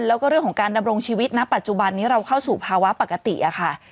แล้วก็เรื่องของการดำรงชีวิตณปัจจุบันนี้เราเข้าสู่ภาวะปกติอะค่ะ